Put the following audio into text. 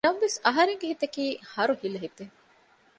ނަމަވެސް އަހަރެންގެ ހިތަކީ ހަރުހިލަ ހިތެއް